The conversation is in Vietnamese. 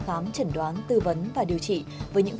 phát sóng hàng ngày trên intv